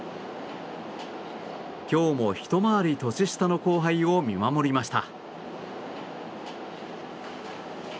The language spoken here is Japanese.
今日も、ひと回り年下の後輩を見守りました。